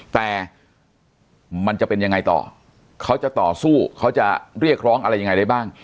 แต่มันจะเป็นยังไงต่อเขาจะต่อสู้เขาจะเรียกร้องอะไรยังไงได้บ้าง